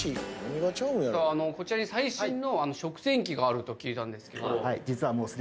こちらに最新の食洗機があると聞いたんですけど。